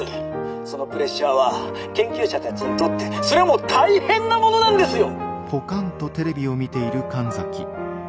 そのプレッシャーは研究者たちにとってそれはもう大変なものなんですよ！」。